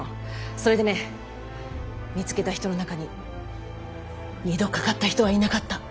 それでね見つけた人の中に二度かかった人はいなかった！